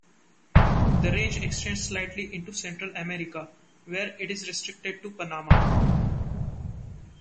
The range extends slightly into Central America, where it is restricted to Panama.